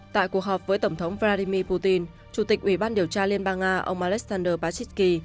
tại cuộc họp với tổng thống vladimir putin chủ tịch ủy ban điều tra liên bang nga ông alexander parkisky